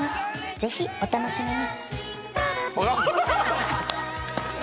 ぜひお楽しみに！